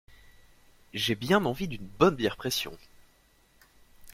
J'ai bien envie d'une bonne bière pression.